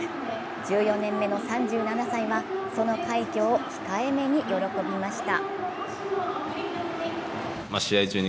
１４年目の３７歳は、その快挙を控えめに喜びました。